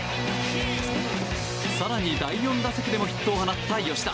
更に第４打席でもヒットを放った吉田。